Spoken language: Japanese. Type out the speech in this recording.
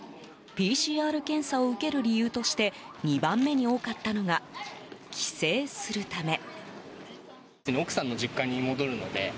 ＰＣＲ検査を受ける理由として２番目に多かったのが帰省するため。